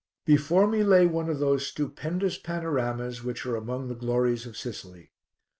Before me lay one of those stupendous panoramas which are among the glories of Sicily.